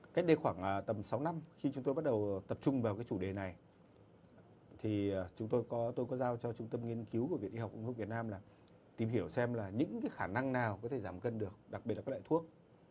cách đây khoảng tầm sáu năm khi chúng tôi bắt đầu tập trung vào cái chủ đề này thì chúng tôi có giao cho trung tâm nghiên cứu của viện y học cung hương việt nam là tìm hiểu xem là những cái khả năng nào có thể giảm cân được đặc biệt là các loại thuốc